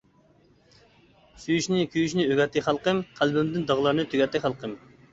سۆيۈشنى، كۆيۈشنى ئۆگەتتى خەلقىم، قەلبىمدىن داغلارنى تۈگەتتى خەلقىم.